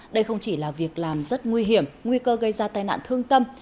đây không chỉ là việc làm rất nguy hiểm nguy cơ gây ra tai nạn thương tâm